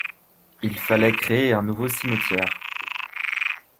Il fallait créer un nouveau cimetière.